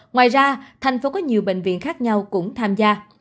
ngoài ra tp hcm có nhiều bệnh viện khác nhau cũng tham gia